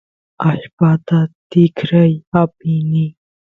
allpata tikray apini